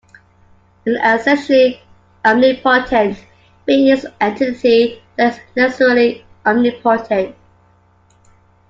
An essentially omnipotent being is an entity that is necessarily omnipotent.